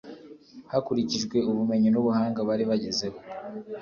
hakurikijwe ubumenyi n’ubuhanga bari bagezeho